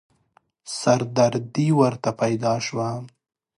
سردردې ورته پيدا شوه.